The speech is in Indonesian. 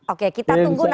oke kita tunggu nanti